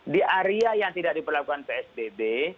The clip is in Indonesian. di area yang tidak diperlakukan psbb